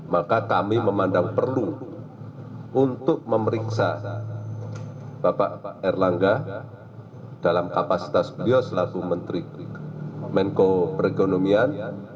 maka kami memandang perlu untuk memeriksa bapak pak erlangga dalam kapasitas beliau selaku menteri menko perekonomian